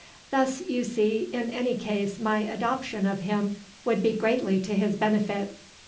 Thus, you see, in any case my adoption of him would be greatly to his benefit.